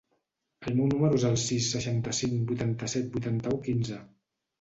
El meu número es el sis, seixanta-cinc, vuitanta-set, vuitanta-u, quinze.